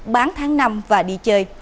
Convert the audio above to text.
bán tháng năm và đi chơi